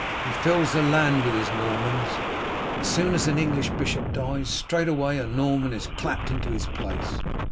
He fills the land with his Normans; soon as an English bishop dies, straightway a Norman is clapped into his place.